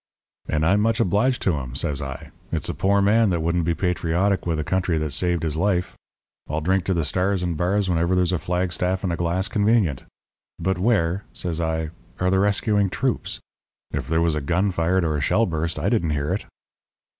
"'And I'm much obliged to 'em,' says I. 'It's a poor man that wouldn't be patriotic with a country that's saved his life. I'll drink to the Stars and Bars whenever there's a flagstaff and a glass convenient. But where,' says I, 'are the rescuing troops? If there was a gun fired or a shell burst, I didn't hear it.'